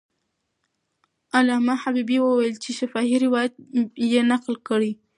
علامه حبیبي وویل چې شفاهي روایت یې نقل کړی.